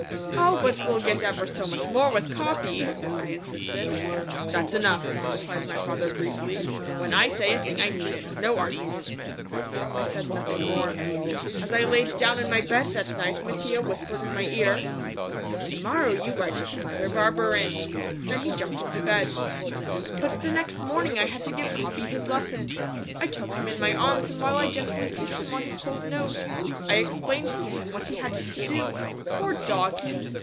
"Oh, but we'll get ever so much more with Capi," I insisted. "That's enough," replied my father briefly; "when I say a thing I mean it. No arguments." I said nothing more. As I laid down in my bed that night Mattia whispered in my ear: "Now to morrow you write to Mother Barberin." Then he jumped into bed. But the next morning I had to give Capi his lesson, I took him in my arms and while I gently kissed him on his cold nose, I explained to him what he had to do; poor doggy!